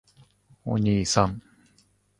おにいさん！！！